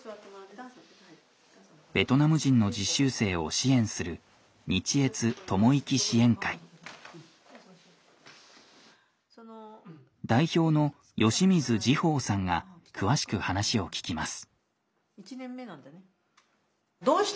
ベトナム人の実習生を支援する代表の吉水慈豊さんが詳しく話を聞きます。